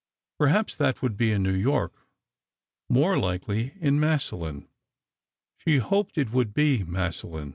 Perhaps that would be in New York ... more likely in Massillon. She hoped it would be Massillon.